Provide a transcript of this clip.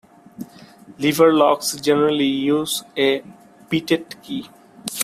Lever locks generally use a bitted key.